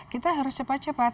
kita harus cepat cepat